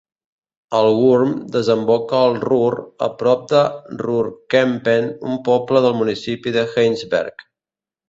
El Wurm desemboca al Rur a prop de Rurkempen, un poble del municipi de Heinsberg.